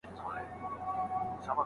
استاد له شاګرد څخه پوښتنې کوي.